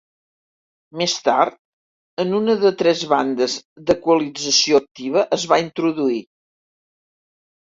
Més tard, en una de tres bandes d'equalització activa es va introduir.